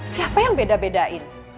siapa yang bedah bedahin